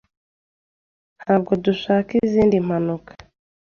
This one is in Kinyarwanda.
Ntabwo dushaka izindi mpanuka.